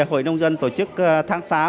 hội nông dân tổ chức tháng sáu